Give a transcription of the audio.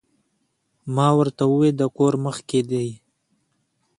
ما ورته ووې د کور مخ کښې دې